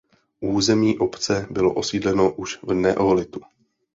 Území obce bylo osídleno už v neolitu.